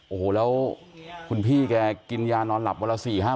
โอ้โยวแล้วคุณพี่แกกินยานอนหลับเวลา๔๕เมตรอะ